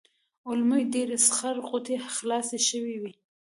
د علومو ډېرې سخر غوټې خلاصې شوې وې.